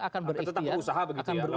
kita akan berikhtian